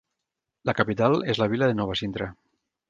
La capital és la vila de Nova Sintra.